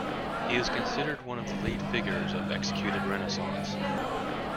He is considered one of the lead figures of Executed Renaissance.